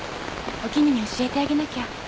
お絹に教えてあげなきゃ。